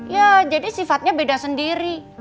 ya jadi sifatnya beda sendiri